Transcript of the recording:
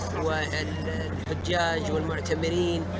dan hujaj dan mu'tabir